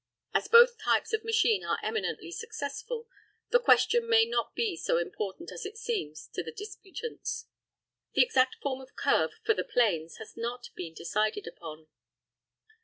As both types of machine are eminently successful, the question may not be so important as it seems to the disputants. The exact form of curve for the planes has not been decided upon.